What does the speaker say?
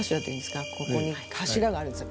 ここに柱があるんですよ。